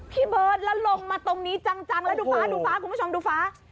พี่เบิร์ตแล้วลงมาตรงนี้จังแล้วดูฟ้าดูฟ้าคุณผู้ชมดูฟ้า